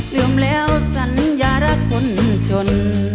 รวมแล้วสัญญารักคนจน